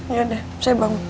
ya udah saya bangun